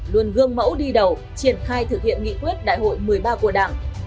luôn gương mẫu đi đầu triển khai thực hiện nghị quyết đại hội một mươi ba của đảng